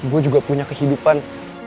gue juga punya kehidupan